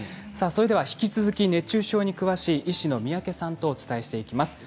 引き続き熱中症に詳しい医師の三宅さんにお伺いしていきます。